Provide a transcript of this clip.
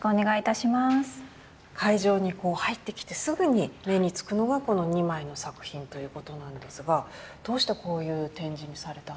会場に入ってきてすぐに目に付くのがこの２枚の作品ということなんですがどうしてこういう展示にされたんですか？